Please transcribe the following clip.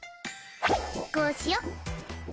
こうしよ！